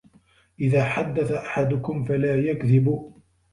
إذَا حَدَّثَ أَحَدُكُمْ فَلَا يَكْذِبُ